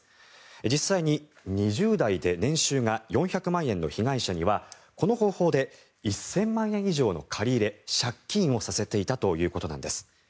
実際に２０代で年収が４００万円の被害者にはこの方法で１０００万円以上の借り入れ借金をさせていたということなんです。